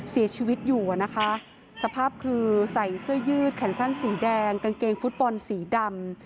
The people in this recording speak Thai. เสียชีวิตอยู่นะคะสภาพคือใส่เสื้อยืดแขนสั้นสีแดงกางเกงฟุตบอลสีดำ